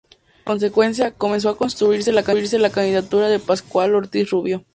En consecuencia, comenzó a construirse la candidatura de Pascual Ortiz Rubio.